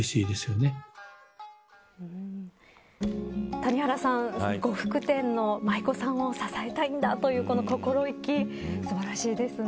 谷原さん、呉服店の舞子さんを支えたいんだというこの心意気、素晴らしいですね。